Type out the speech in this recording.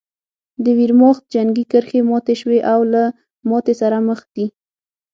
د ویرماخت جنګي کرښې ماتې شوې او له ماتې سره مخ دي